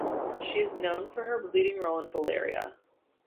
She is also known for her leading role in "Valeria".